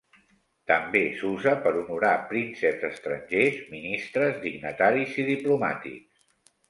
També s'usa per honorar prínceps estrangers, ministres, dignataris i diplomàtics.